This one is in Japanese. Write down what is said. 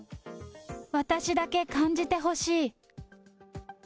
私だけ感じてほしい。